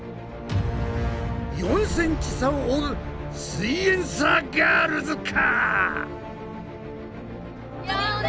４ｃｍ差を追うすイエんサーガールズか？